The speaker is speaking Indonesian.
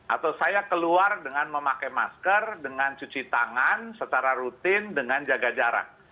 atau saya keluar dengan memakai masker dengan cuci tangan secara rutin dengan jaga jarak